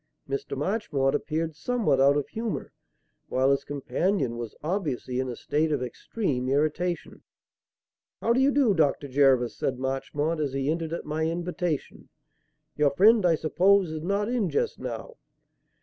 Mr. Marchmont appeared somewhat out of humour, while his companion was obviously in a state of extreme irritation. "How d'you do, Dr. Jervis?" said Marchmont as he entered at my invitation. "Your friend, I suppose, is not in just now?"